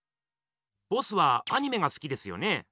ボスはアニメがすきですよね？